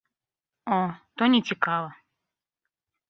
О, то не цікава.